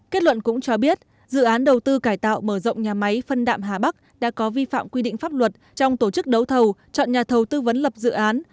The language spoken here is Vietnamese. kết luận cũng cho biết dự án đầu tư cải tạo mở rộng nhà máy phân đạm hà bắc đã có vi phạm quy định pháp luật trong tổ chức đấu thầu chọn nhà thầu tư vấn lập dự án